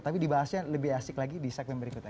tapi dibahasnya lebih asik lagi di segmen berikutnya